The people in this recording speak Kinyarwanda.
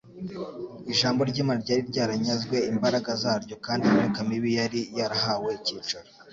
Ijambo ry'Imana ryari ryaranyazwe imbaraga zaryo kandi imyuka mibi yari yarahawe icyicaro.